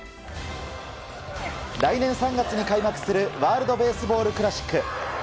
来年３月に開幕するワールド・ベースボール・クラシック。